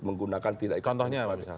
menggunakan tidak ikut menggunakan contohnya